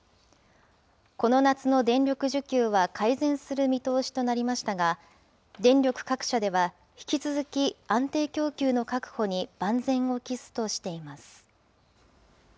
この夏の電力需給は改善する見通しとなりましたが、電力各社では、引き続き、安定供給の確保に万全を期すとしています。